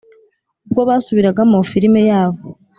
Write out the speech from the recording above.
ubwo basubiragamo filime yabo